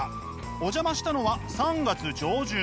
お邪魔したのは３月上旬。